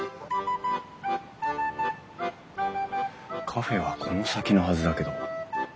カフェはこの先のはずだけど。